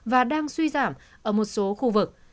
và đang suy giảm ở một số khu vực